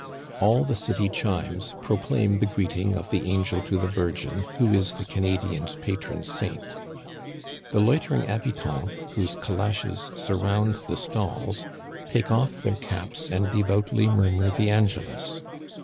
All the city chimes proclaim the greeting of the angel to the Virgin, who is the Canadian's pa tron saint. The loitering habitants^ whose calashes sur round the stalls, take off their caps and devoutly mur mur the Angelus.